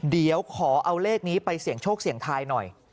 เดี๋ยวขอเอาเลขนี้ไปเสี่ยงโชคเสี่ยงทายหน่อย